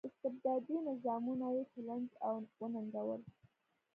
استبدادي نظامونه یې چلنج او وننګول.